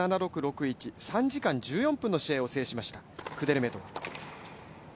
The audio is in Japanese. ６−７、７−６、３−１、３時間１４分の試合を制しました、クデルメトワ。